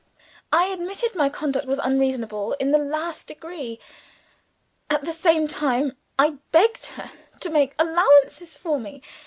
I admitted my conduct was unreasonable in the last degree. At the same time, I begged her to make allowances for me.